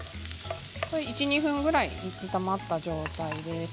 １、２分ぐらい炒まった状態ですね。